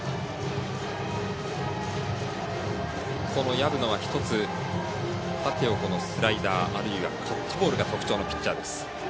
薮野は１つ、縦横のスライダーあるいはカットボールが特徴のピッチャーです。